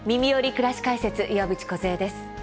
くらし解説」岩渕梢です。